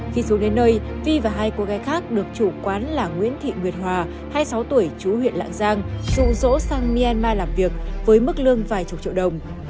khi xuống đến nơi vi và hai cô gái khác được chủ quán là nguyễn thị nguyệt hòa hai mươi sáu tuổi chú huyện lạng giang rụ rỗ sang myanmar làm việc với mức lương vài chục triệu đồng